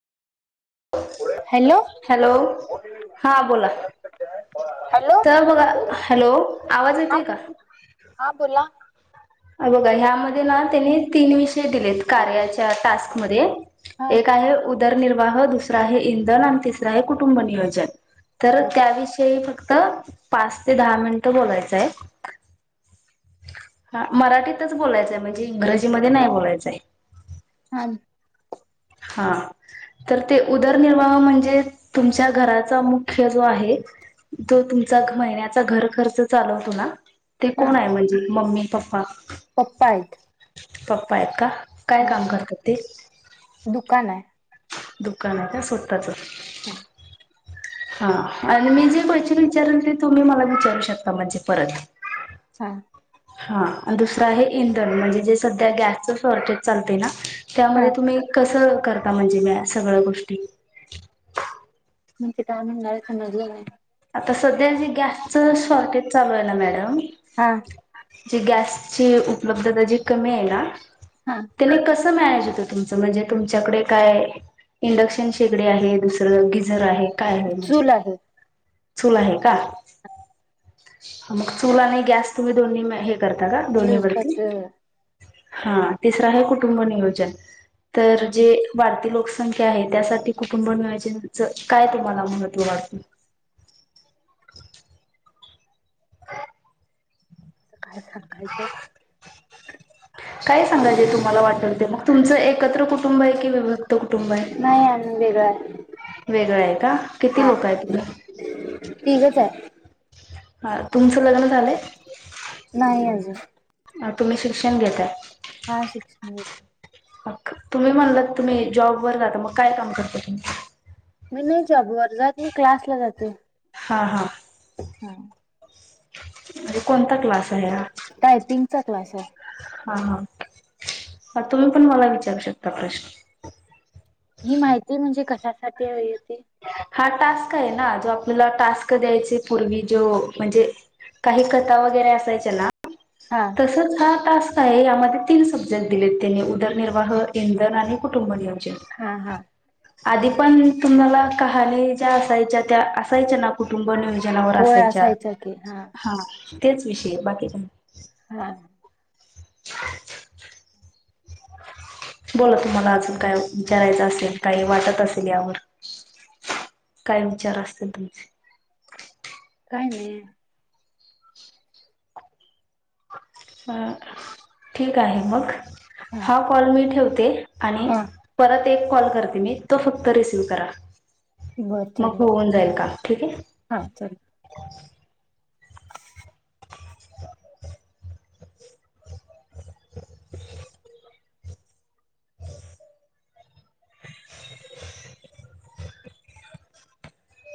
Hello! Hello हा बोला तर बघा हॅलो आवाज येतोय का बघा ह्यामध्ये ना त्यांनी तीन विषय दिलेत कार्याच्या टास्कमध्ये हा एक आहे उदरनिर्वा विवाह दुसरा आहे इंधन आणि तिसरा आहे कुटुंब नियोजन तर हा त्याविषयी फक्त फक्त पाच ते दहा मिनिट बोलायचंय हाय हा मराठीतच बोलायचंय म्हणजे इंग्रजी मध्ये नाही बोलायचंय हा. हा तर ते उदरनिर्वाह म्हणजे? तुमच्या घराचा मुख्य जो आहे तो तुमचा महिन्याचा घर खर्च चालवतो ना ते हा कोण आहे म्हणजे मम्मी? पप्पा, पप्पा आहेत. पप्पा आहेत का? काय हा काम करतात ते? दुकान आहे. दुकान आहे का स्वतःच? हो. हा आणि मी जे पाहिजे ते विचारल ते तुम्ही मला विचारू शकता म्हणजे परत? हा हां अनं दुसरं आहे इंधन म्हणजे जे सध्या गॅसचं शॉर्टेज चालतेये ना हा त्यामुळें तुम्ही कसं करता म्हणजे म्या सगळ्यां गोष्टी म्हणजे काय म्हणणारे समजलं नाही? [unintelligible] च शॉर्केज चालू आहे ना मॅडम हा जी गॅसची उपलब्धता जी कमी आहे ना हा त्याने कसं तुमचं म्हणजे तुमच्याकडे काय इंडक्शन शेगडी, आहे दुसरं गिजर आहे काय आहे म्हणजे चूल आहे चूल आहे का? मंग चूल आणि गॅस तुम्ही दोन्ही तीन मही करता का दोन्ही युज वरती करतोय हां तिसर आहे कुटुंब नियोजन तर जे वाढती लोकसंख्या आहे त्यासाठी कुटुंब नियोजनच काय तुम्हाला महत्त्व वाटत काय सांगायचं [unintelligible] काय सांगा जे तुम्हाला वाटल ते मंग तुमचं एकत्र कु तुंबैकी व्यवस नाही आणली बॅग वेगळं आहे का किती लोक आहे तिकडं तीगच आहे ह तुम च लग्न झालंय नाही अजून [unintelligible] अ तुम्ही शिक्षण घेताय हा शिक्षण घेते [unintelligible] तुम्ही म्हणलात तुम्ही जॉब वर राहता मग काय काम करत्यात तुम्ही. मी नाही [unintelligible] जात मी क्लासला जाते हां हां हां आणि कोणता क्लास आहे हा टायपिंगचा क्लास आहे [unintelligible] हा तुम्ही पण मला विचारू शकता प्रश्न ही माहिती म्हणजे कशा साठी हवी होती. हा टास्क आहेना जो आपल्याला टास्क द्यायचे पूर्वी जो म्हणजे काही कथा वगैरे असायच्या ना हा तसंच हा टास्क आहे यामध्ये तीन सब्जेक्ट दिलेत त्यांनी उदरनिर्वाह, इंधन आणि कुटुंबनियम हा हा आधी पण तुम्हाला कहाणी ज्या असायच्या त्या असायच्या ना कुटुंब नियोजन जनावर होय असायच्या असायचा की हा तेच विषय बाकीच्या हा बोला तुम्हाला अजून काय विचारायचं असेल काही वाटत असेल यावर काय विचार असतील तुमचे काय नाही. अ ठीक आहे मग हा कॉल मी ठेवतो. ते आणि हा परत एक कॉल करते मी तो फक्त रिसीव करा. बरं मग चालेल होऊन जाईल काम ठीक आहे. हा चल [unintelligible]